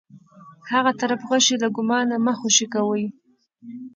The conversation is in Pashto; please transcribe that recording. هغه طرف غشی له کمانه مه خوشی کوئ.